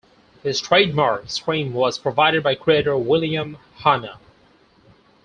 His trademark scream was provided by creator William Hanna.